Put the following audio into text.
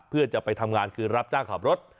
เพื่อจะไปทำงานคือรับจ้างขับรถ